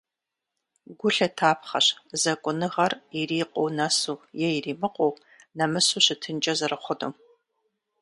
Гу лъытапхъэщ зэкӏуныгъэр ирикъуу нэсу е иримыкъуу, нэмысу щытынкӏэ зэрыхъунум.